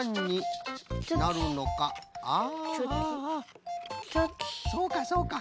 ああそうかそうか。